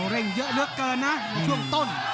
เร่งเยอะเยอะเกินนะในช่วงต้น